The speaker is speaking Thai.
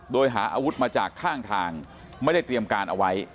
โดยหาอาวุธมาจากข้างทางไม่ได้เตรียมการเอาไว้